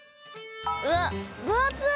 うわ、分厚い。